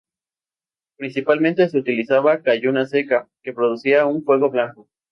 Principalmente se utilizaba calluna seca, que producía un fuego blanco.